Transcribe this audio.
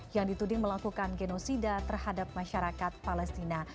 yang dituding melakukan genosida terhadap masyarakat palestina